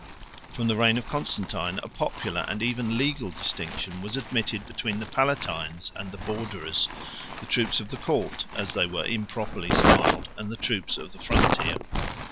From the reign of Constantine, a popular and even legal distinction was admitted between the Palatines 128 and the Borderers; the troops of the court, as they were improperly styled, and the troops of the frontier.